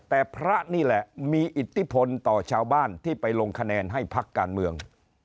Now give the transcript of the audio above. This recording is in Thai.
แต่พระนี่แหละมีอิทธิพลต่อชาวบ้านที่ไปลงคะแนนให้พักการเมือง